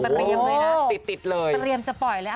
ตรียมเลยนะตรียมจะปล่อยเลย